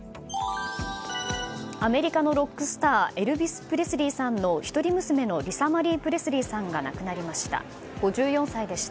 アメリカのロックスターエルヴィス・プレスリーさんの一人娘のリサ・マリー・プレスリーさんが亡くなりました。